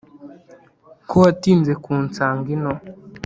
ko watinze kunsanga ino’"